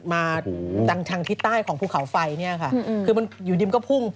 มาดังทางทิศใต้ของภูเขาไฟเนี่ยค่ะคือมันอยู่ดินก็พุ่ง